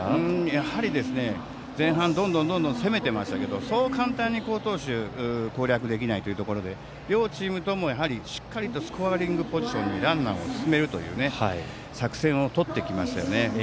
やはり、前半どんどん攻めてましたけどそう簡単に好投手攻略できないというところで両チームとも、しっかりとスコアリングポジションにランナーを進めるという作戦をとってきましたよね。